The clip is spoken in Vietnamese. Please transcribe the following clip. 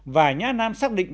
và nhã nam xác định